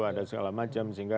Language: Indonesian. ada segala macam